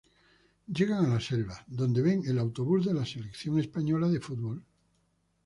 Llegan a la selva, donde ven al autobús de la selección española de fútbol.